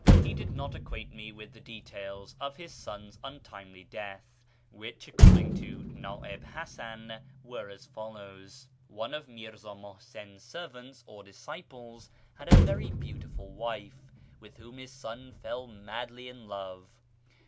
He did not acquaint me with the details of his son's untimely death, which, according to Ni'i'ib Hasan, were as follows :— One of Mirzi'i Muhsin's servants, or disciples, had a very beautiful wife, with whom his son fell madly in love.